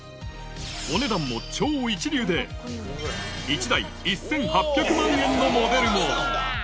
お値段も超一流で、１台１８００万円のモデルも。